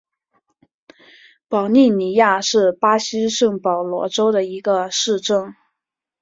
保利尼亚是巴西圣保罗州的一个市镇。